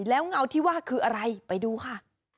แล้วเงาที่ว่าคืออะไรไปดูค่ะ